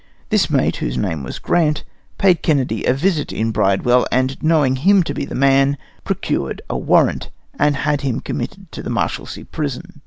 This mate, whose name was Grant, paid Kennedy a visit in Bridewell, and knowing him to be the man, procured a warrant, and had him committed to the Marshalsea prison.